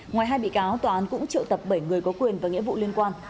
ngoài hai bị cáo tòa án cũng trự tập bảy người có quyền và nghĩa vụ liên quan